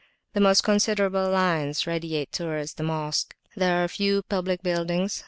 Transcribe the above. The most considerable lines radiate towards the Mosque. There are few public buildings.